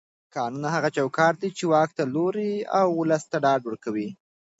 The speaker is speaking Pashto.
قانون هغه چوکاټ دی چې واک ته لوری او ولس ته ډاډ ورکوي